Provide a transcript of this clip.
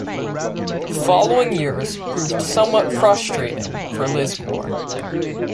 The following years proved somewhat frustrating for Lismore.